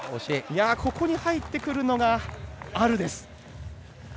ここに入ってくるのがアルです。